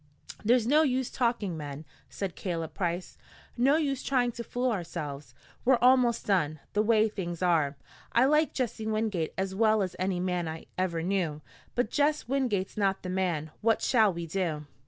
"There's no use talking, men," said Caleb Price, "no use trying to fool ourselves. We're almost done, the way things are. I like Jess Wingate as well as any man I ever knew, but Jess Wingate's not the man. What shall we do?"